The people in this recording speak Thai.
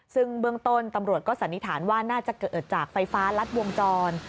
ซึ่งเบื้องต้นตำรวจก็สันนิษฐานว่าน่าจะเกิดจากไฟฟ้ารัดวงจร